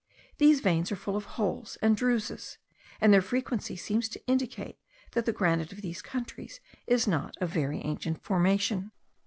These veins are full of holes and druses; and their frequency seems to indicate that the granite of these countries is not of very ancient formation.